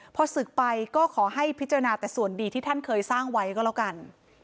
พอศึกไปก็ขอให้พิจารณาแต่ส่วนดีที่ท่านเคยสร้างไว้ก็แล้วกัน